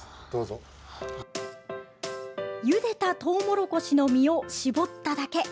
ゆでたトウモロコシの実をしぼっただけ。